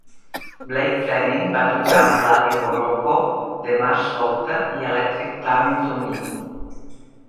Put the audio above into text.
Blake Fleming va tocar amb Laddio Bolocko, The Mars Volta i Electric Turn to Me.